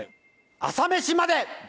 『朝メシまで。』！